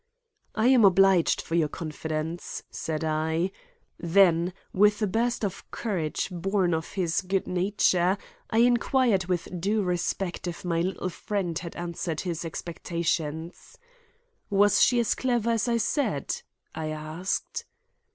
"I am obliged for your confidence," said I; then, with a burst of courage born of his good nature, I inquired with due respect if my little friend had answered his expectations. "Was she as clever as I said?" I asked.